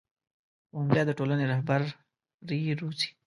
ښوونځی د ټولنې رهبري روزي